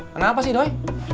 kenapa sih doi